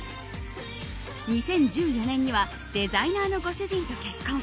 ２０１４年にはデザイナーのご主人と結婚。